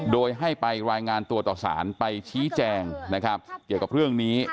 โดยให้ไปรายงานตัวต่อสารไปชี้แจงนะครับเกี่ยวกับเรื่องนี้